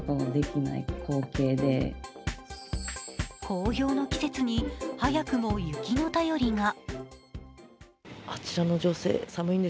紅葉の季節に早くも雪の便りが。